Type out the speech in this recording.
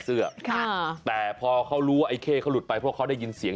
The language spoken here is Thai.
เสื้อค่ะแต่พอเขารู้ว่าไอ้เข้เขาหลุดไปเพราะเขาได้ยินเสียง